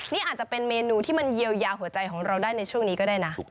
นี่อาจจะเป็นเมนูที่มันเยียวยาหัวใจของเราได้ในช่วงนี้ก็ได้นะ